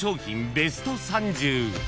ベスト３０］